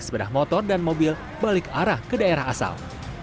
sepeda motor dan mobil balik arah ke daerah asal